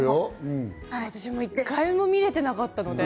私も１回も見れていなかったので。